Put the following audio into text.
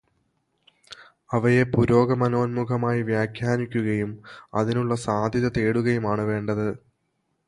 അവയെ പുരോഗമനോന്മുഖമായി വ്യാഖ്യാനിക്കുകയും അതിനുള്ള സാധ്യത തേടുകയുമാണു വേണ്ടത്